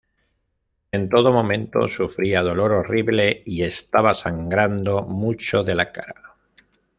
En todo momento, sufría dolor horrible y estaba sangrando mucho de la cara.